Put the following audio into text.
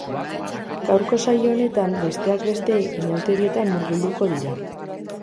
Gaurko saio honetan, besteak beste, inauterietan murgilduko dira.